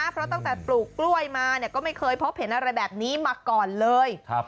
เพราะตั้งแต่ปลูกกล้วยมาก็ไม่เคยพบเห็นอะไรแบบนี้มาก่อนเลย